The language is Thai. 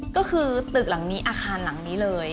ก็คือตึกหลังนี้อาคารหลังนี้เลย